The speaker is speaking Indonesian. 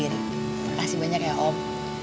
terima kasih banyak ya om